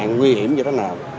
nguy hiểm như thế nào